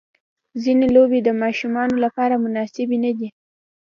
ځینې لوبې د ماشومانو لپاره مناسبې نه دي.